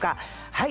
はい。